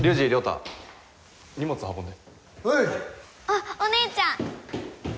あっお姉ちゃん！